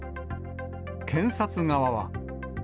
検察側は。